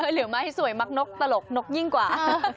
หรือไม่สวยมักนกตลกนกยิ่งกว่า